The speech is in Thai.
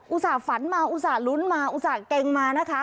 ต่าฝันมาอุตส่าห์ลุ้นมาอุตส่าห์มานะคะ